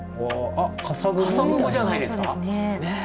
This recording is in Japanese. かさ雲じゃないですか？